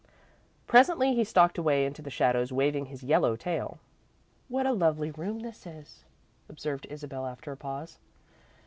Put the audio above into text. Presently he stalked away into the shadows, waving his yellow tail. "What a lovely room this is," observed Isabel, after a pause.